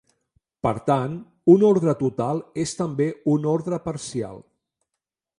Per tant, un ordre total és també un ordre parcial.